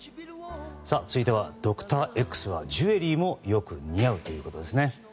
続いては「ドクターＸ」はジュエリーもよく似合うってことですよね。